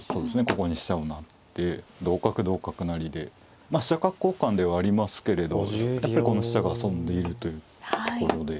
ここに飛車を成って同角同角成でまあ飛車角交換ではありますけれどやっぱりこの飛車が遊んでいるというところで。